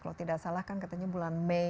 kalau tidak salah kan katanya bulan mei